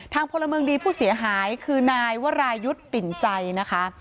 พลเมืองดีผู้เสียหายคือนายวรายุทธ์ปิ่นใจนะคะ